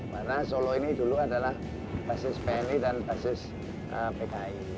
karena solo ini dulu adalah basis pni dan basis pki